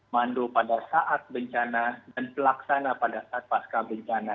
mandu pada saat bencana dan pelaksana pada saat pasca bencana